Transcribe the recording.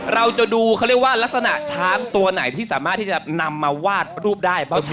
เราจะดูเขาเรียกว่าลักษณะช้างตัวไหนที่สามารถที่จะนำมาวาดรูปได้